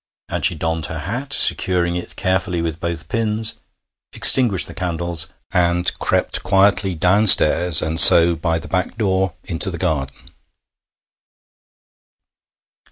And she donned her hat, securing it carefully with both pins, extinguished the candles, and crept quietly downstairs, and so by the back door into the garden.